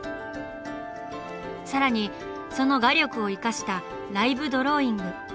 さらにその画力を生かしたライブドローイング。